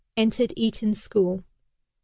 Entered Eton School. 1847.